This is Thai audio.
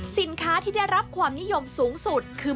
สินค้าที่ได้รับความนิยมสูงสุดคือ